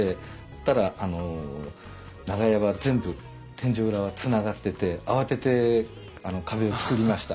したら長屋は全部天井裏はつながってて慌てて壁を造りました。